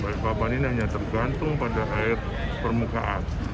balikpapan ini hanya tergantung pada air permukaan